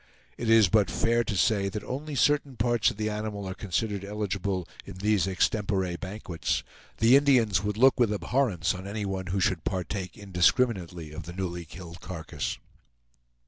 It is but fair to say that only certain parts of the animal are considered eligible in these extempore banquets. The Indians would look with abhorrence on anyone who should partake indiscriminately of the newly killed carcass.